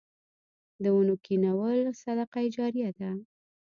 د ونو کینول صدقه جاریه ده.